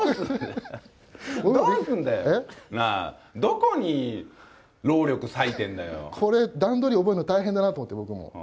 これ、段取り覚えるの大変だなと思って、僕も。